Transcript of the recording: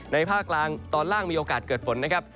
ภาคกลางตอนล่างมีโอกาสเกิดฝนนะครับ